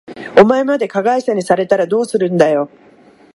お前まで加害者にされたらどうするんだよ。